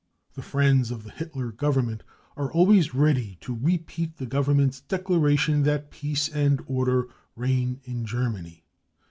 The friends of the Hitler Government are always ready to repeat the government's declaration that peace and order reign in Germany.